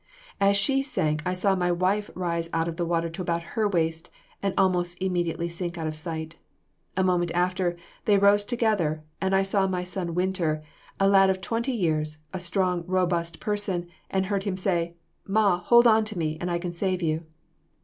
As she sank, I saw my wife rise out of the water to about her waist, and almost immediately sink out of sight; a moment after, they rose together, and I saw my son Winter, a lad of twenty years, a strong, robust person, and heard him say, 'Ma, hold on to me, and I can save you.